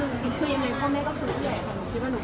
ก็อย่างที่บอกว่าหนูขอเป็นว่าหนูไม่ออกความคิดเห็นเรื่องนี้ดีกว่าว่า